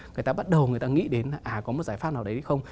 người ta bắt đầu người ta nghĩ đến là có một giải pháp nào đấy không